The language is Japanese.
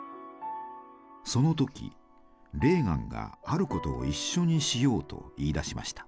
その時レーガンがあることを一緒にしようと言いだしました。